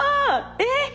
えっ！